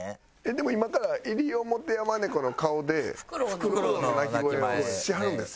でも今からイリオモテヤマネコの顔でフクロウの鳴き声をしはるんですよね？